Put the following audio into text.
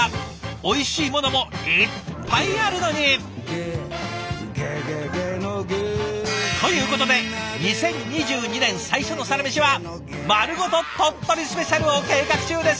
おいしいものもいっぱいあるのに。ということで２０２２年最初の「サラメシ」は「まるごと鳥取スペシャル！」を計画中です。